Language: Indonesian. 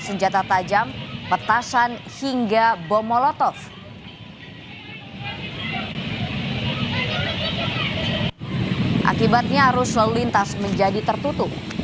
senjata tajam petasan hingga bom molotov akibatnya arus lalu lintas menjadi tertutup